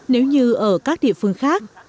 nếu như ở các địa phương khác